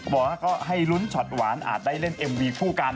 บอกว่าก็ให้ลุ้นช็อตหวานอาจได้เล่นเอ็มวีคู่กัน